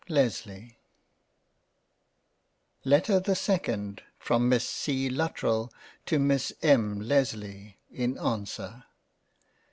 Lesley. LETTER the SECOND From Miss C. LUTTERELL to Miss M. LESLEY in answer.